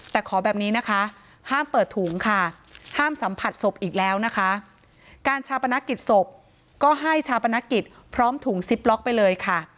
แต่ขอแบบนี้นะคะห้ามเปิดถุงค่ะห้ามสัมผัสศพอีกแล้วนะคะการชาปนกิจศพก็ให้ชาปนกิจพร้อมถุงซิปล็อกไปเลยค่ะ